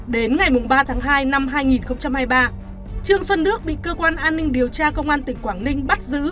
đến ngày ba tháng hai năm hai nghìn hai mươi ba trương xuân đức bị cơ quan an ninh điều tra công an tỉnh quảng ninh bắt giữ